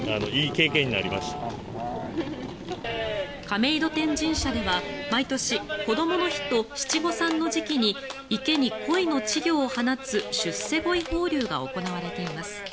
亀戸天神社では毎年こどもの日と七五三の時期に池にコイの稚魚を放つ出世鯉放流が行われています。